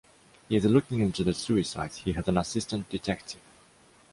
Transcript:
He is looking into the suicides. He has an assistant detective.